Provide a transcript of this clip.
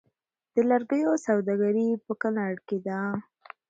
د لرګیو سوداګري په کنړ کې ده